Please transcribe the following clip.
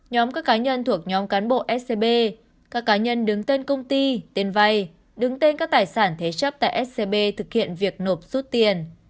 nhóm các cá nhân thuộc nhóm cán bộ scb các cá nhân đứng tên công ty tên vay đứng tên các tài sản thế chấp tại scb thực hiện việc nộp rút tiền